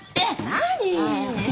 何？